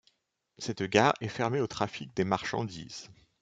Cette gare est fermée au trafic des marchandises.